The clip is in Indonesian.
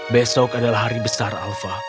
besok adalah hari besar alfa